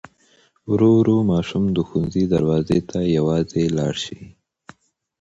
ورو ورو ماشوم د ښوونځي دروازې ته یوازې لاړ شي.